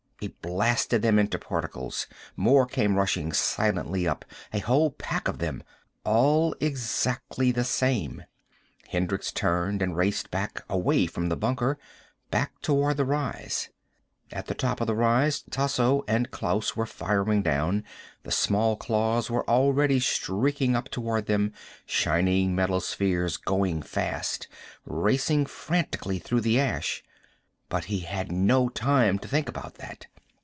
He blasted them into particles. More came rushing silently up, a whole pack of them. All exactly the same. Hendricks turned and raced back, away from the bunker, back toward the rise. At the top of the rise Tasso and Klaus were firing down. The small claws were already streaking up toward them, shining metal spheres going fast, racing frantically through the ash. But he had no time to think about that.